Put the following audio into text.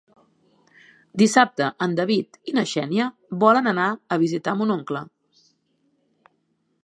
Dissabte en David i na Xènia volen anar a visitar mon oncle.